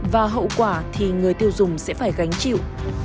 và hậu quả thì người tiêu dùng sẽ phải gánh chịu